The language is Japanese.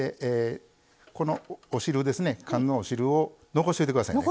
このお汁ですね缶のお汁を残しといてくださいね。